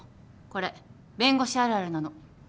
これ弁護士あるあるなの。